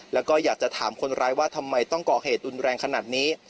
แล้วก็อยากจะถามคนร้ายว่าทำไมต้องก่อเหตุรุนแรงขนาดนี้